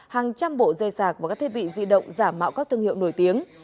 hàng trăm bộ dây sạc và các thiết bị di động giả mạo các thương hiệu nổi tiếng